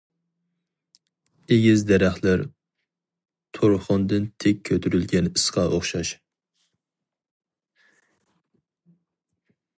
ئېگىز دەرەخلەر تۇرخۇندىن تىك كۆتۈرۈلگەن ئىسقا ئوخشاش.